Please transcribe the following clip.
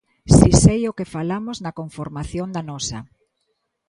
Si sei o que falamos na conformación da nosa.